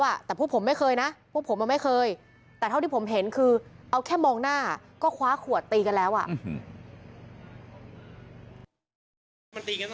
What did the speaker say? น่าจะใช่กลุ่มเดิมที่มาเอาคืนกันไหมจากเมื่อวาน